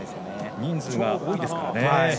人数が多いですからね。